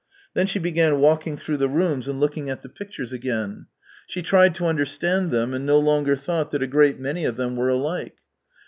Then she began walking through the rooms and looking at the pictures again. She tried to understand them and no longer thought that a great many of them were alike.